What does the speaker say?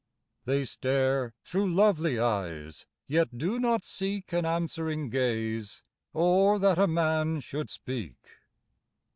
They stare through lovely eyes, yet do not seek An answering gaze, or that a man should speak.